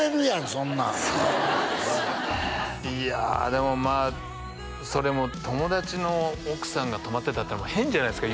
そんなんそうなんすよねいやでもまあそれも友達の奥さんが泊まってたっていうのも変じゃないですか？